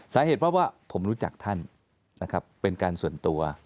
สาเหตุเพราะว่าผมรู้จักท่านนะครับเป็นการส่วนตัว